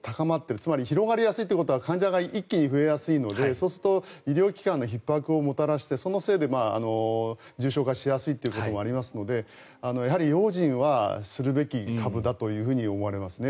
つまり広がりやすいということは患者が増えやすいのでそうすると医療機関のひっ迫をもたらしてそのせいで重症化しやすいということもありますのでやはり用心はするべき株だと思われますね。